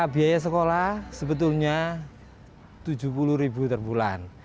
biaya sekolah sebetulnya rp tujuh puluh terbulan